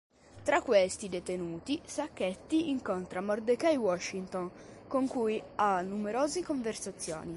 Tra questi detenuti Sacchetti incontra Mordecai Washington, con cui ha numerose conversazioni.